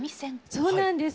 そうなんです。